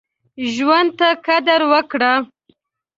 ژوند ته قدر وکړه.